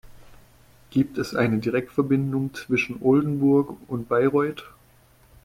Gibt es eine Direktverbindung zwischen Oldenburg und Bayreuth?